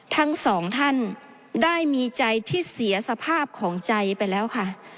ทั้งสองท่านได้มีใจที่เสียสภาพของใจไปแล้วค่ะ